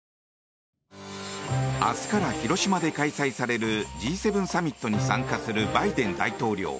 明日から広島で開催されるＧ７サミットに参加するバイデン大統領。